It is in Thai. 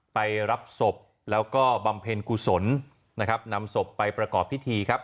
ไปรับศพแล้วก็บำเพ็ญกุศลนำศพไปประกอบพิธี